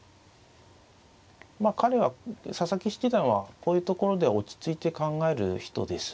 まあ彼は佐々木七段はこういうところでは落ち着いて考える人です。